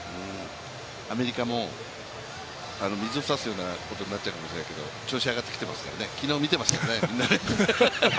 アメリカも水を差すようなことを言っちゃいますけど調子上がってきていますからね、昨日見てますからね。